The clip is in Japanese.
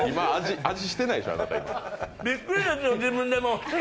びっくりですよ、自分でも。